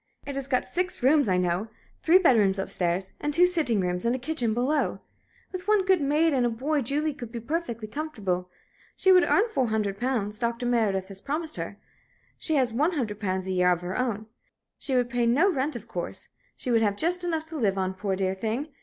It has got six rooms, I know three bedrooms up stairs, and two sitting rooms and a kitchen below. With one good maid and a boy Julie could be perfectly comfortable. She would earn four hundred pounds Dr. Meredith has promised her she has one hundred pounds a year of her own. She would pay no rent, of course. She would have just enough to live on, poor, dear thing!